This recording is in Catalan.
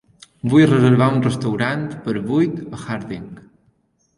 Vull reservar un restaurant per vuit a Harding.